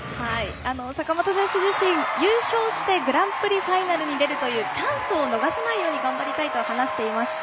坂本選手自身、優勝してグランプリファイナルに出るというチャンスを逃さないように頑張りたいと話していました。